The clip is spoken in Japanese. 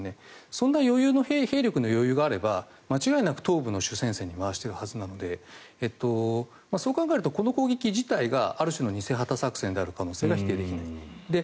そんな兵力の余裕があれば間違いなく東部の主戦線に回しているはずなのでそう考えるとこの攻撃事態がある種の偽旗作戦である可能性が否定できない。